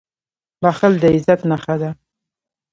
• بښل د عزت نښه ده.